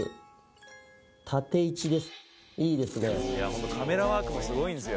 ホントカメラワークもすごいんですよ